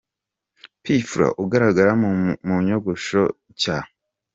P Fla ugaragara mu nyogosho nshya .